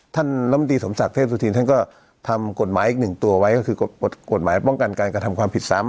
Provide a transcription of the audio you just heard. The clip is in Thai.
ลำตีสมศักดิ์เทพสุธินท่านก็ทำกฎหมายอีกหนึ่งตัวไว้ก็คือกฎหมายป้องกันการกระทำความผิดซ้ำ